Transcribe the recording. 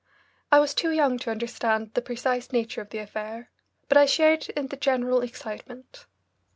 I was too young to understand the precise nature of the affair, but I shared in the general excitement.